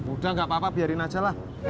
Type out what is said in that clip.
udah gak apa apa biarin aja lah